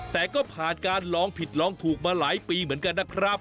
แต่ก็ผ่านการลองผิดลองถูกมาหลายปีเหมือนกันนะครับ